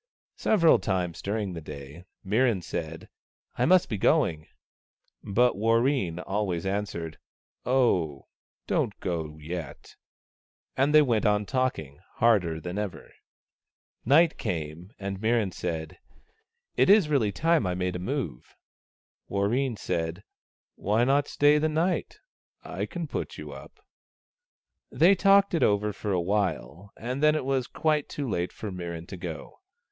Several times during the day Mirran said, " I must be going." But Warreen always answered, " Oh, don't go yet "; and they went on talking harder than ever. Night came, and Mirran said, " It is really time I made a move." Warreen said, " Why not stay the night ? I can put you up." They talked it over for a while, and then it was quite too late for Mirran to go.